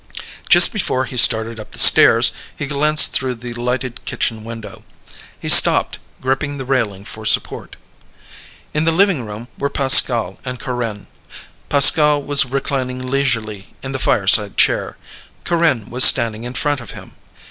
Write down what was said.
Just before he started up the stairs he glanced through the lighted kitchen window. He stopped, gripping the railing for support. In the living room were Pascal and Corinne. Pascal was reclining leisurely in the fireside chair; Corinne was standing in front of him.